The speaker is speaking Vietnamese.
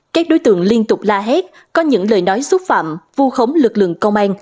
các đối tượng liên tục la hét có những lời nói xúc phạm vu khống lực lượng công an